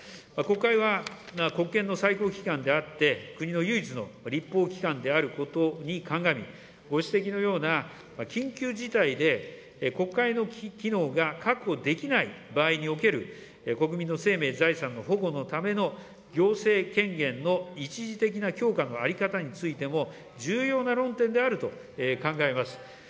国会は国権の最高機関であって、国の唯一の立法機関であることに鑑み、ご指摘のような緊急事態で、国会の機能が確保できない場合における国民の生命、財産の保護のための行政権限の一時的な強化の在り方についても、重要な論点であると考えます。